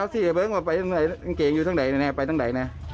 ครับสิเดี๋ยวเบิ้งว่าไปเงินเกงอยู่ทั้งไหนนะไปทั้งไหนนะ